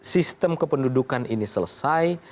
sistem kependudukan ini selesai